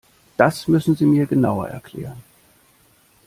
Das müssen Sie mir genauer erklären.